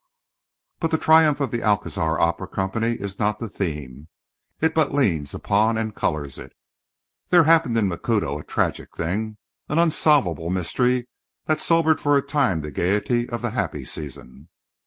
But the triumph of the Alcazar Opera Company is not the theme—it but leans upon and colours it. There happened in Macuto a tragic thing, an unsolvable mystery, that sobered for a time the gaiety of the happy season.